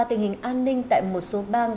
tình hình an ninh tại một số bang